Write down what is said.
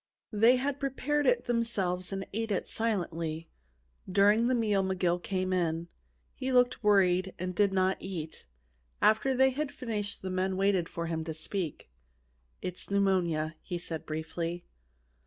They had prepared it themselves and ate it silently. During the meal McGill came in. He looked worried and did not eat. After they had finished the men waited for him to speak. "It's pneumonia," he said briefly.